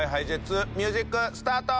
ミュージックスタート！